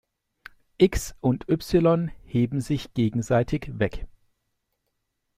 x und y heben sich gegenseitig weg.